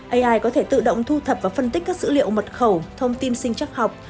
ai có thể tự động thu thập và phân tích các dữ liệu mật khẩu thông tin sinh chắc học